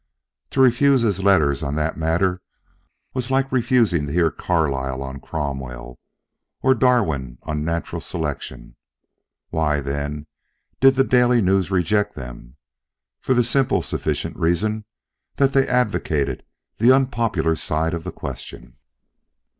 To refuse his letters on that matter was like refusing to hear Carlyle on Cromwell or Darwin on Natural Selection. Why, then, did the Daily News reject them? For the simply sufficient reason that they advocated the unpopular side of the question.